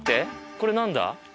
これ何だ？